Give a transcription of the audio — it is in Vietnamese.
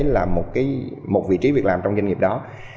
là một vị trí việc làm trong doanh nghiệp đó